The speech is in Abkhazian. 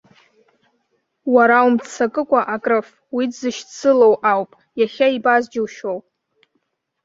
Уара умццакыкәа акрыф, уи дзышьцылоу ауп, иахьа ибаз џьушьоу.